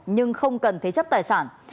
nhưng không cần thế chấp tài sản